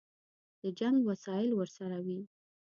د جنګ وسایل ورسره وي.